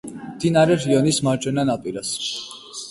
მდინარე რიონის მარჯვენა ნაპირას.